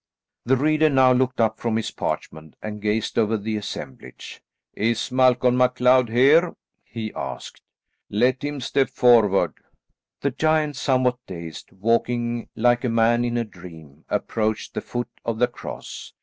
The reader now looked up from his parchment and gazed over the assemblage. "Is Malcolm MacLeod here?" he asked. "Let him step forward." The giant, somewhat dazed, walking like a man in a dream, approached the foot of the cross.